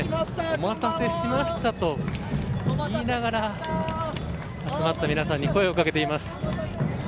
お待たせしましたと言いながら集まった皆さんに声を掛けています。